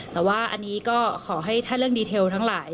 แต่ว่าอันนี้ก็ขอให้ถ้าเรื่องดีเทลทั้งหลาย